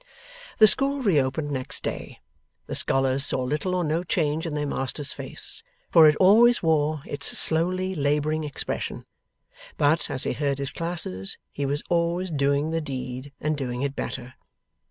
The school reopened next day. The scholars saw little or no change in their master's face, for it always wore its slowly labouring expression. But, as he heard his classes, he was always doing the deed and doing it better.